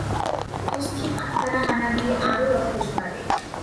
অস্থির আত্মারা হানা দিয়ে আরও রক্ত ঝরাবে।